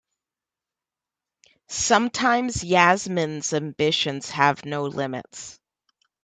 Sometimes Yasmin's ambitions have no limits.